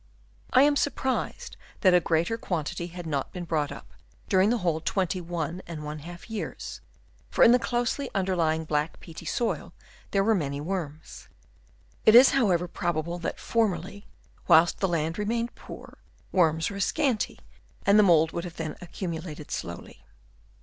I am surprised that a greater quantity had not been brought up during the whole 21^ years, for in the closely underlying black, peaty soil there were many worms. It is, however, probable that formerly, whilst the land remained poor, worms were scanty ; and the mould would then have accumulated slowly.